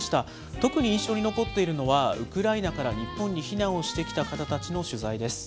特に印象に残っているのは、ウクライナから日本に避難をしてきた方たちの取材です。